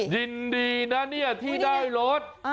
ยินดีนะเนี่ยที่ได้รถ